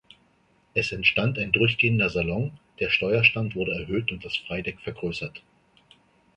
Es entstand ein durchgehender Salon, der Steuerstand wurde erhöht und das Freideck vergrößert.